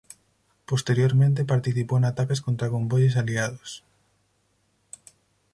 Posteriormente participó en ataques contra convoyes aliados.